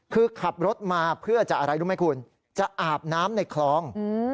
คือขับรถมาเพื่อจะอะไรรู้ไหมคุณจะอาบน้ำในคลอง